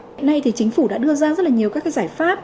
hôm nay thì chính phủ đã đưa ra rất là nhiều các giải pháp